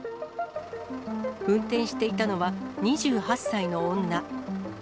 運転していたのは、２８歳の女。